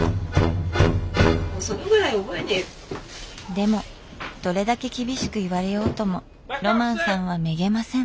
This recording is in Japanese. でもどれだけ厳しく言われようともロマンさんはめげません。